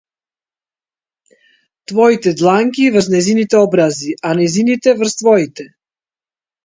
Твоите дланки врз нејзините образи, а нејзините врз твоите.